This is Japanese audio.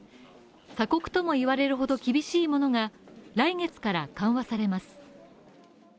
鎖国ともいわれるほど厳しいものが来月から緩和されます。